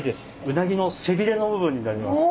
うなぎの背びれの部分になります。